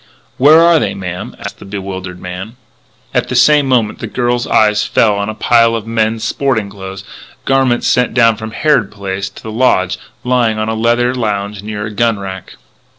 "Where are they, ma'am?" asked the bewildered man. At the same moment the girl's eyes fell on a pile of men's sporting clothing garments sent down from Harrod Place to the Lodge lying on a leather lounge near a gun rack.